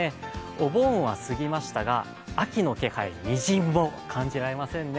お盆は過ぎましたが、秋の気配みじんも感じられませんね。